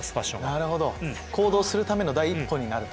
なるほど行動するための第一歩になると。